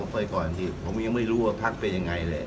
ผมยังไม่รู้ว่าพักเป็นยังไงเลย